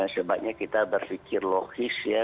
sebabnya kita berpikir logis ya